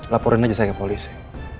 laporin aja saya ke polisi